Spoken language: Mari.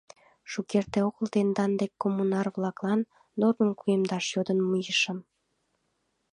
— Шукерте огыл тендан дек коммунар-влаклан нормым кугемдаш йодын мийышым.